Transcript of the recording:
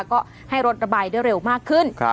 ก็ให้รถระบายได้เร็วมากขึ้น